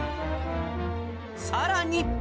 さらに。